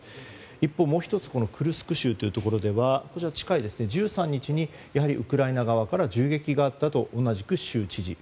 一方、もう１つクルスク州というところではこちらは近いですね１３日にウクライナ側から銃撃があったと同じく州知事。